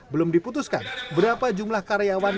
belum diputuskan berapa jumlah karyawan